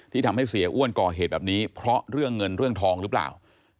ทำให้เสียอ้วนก่อเหตุแบบนี้เพราะเรื่องเงินเรื่องทองหรือเปล่า